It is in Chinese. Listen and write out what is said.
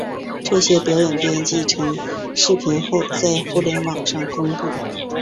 这些表演编辑成视频后在互联网上公布。